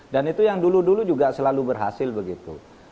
dan itu yang dulu dulu juga selalu berhasil begitu